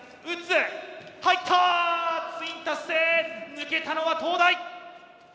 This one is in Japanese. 抜けたのは東大！